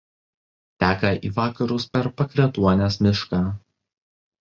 Teka į vakarus per Pakretuonės mišką.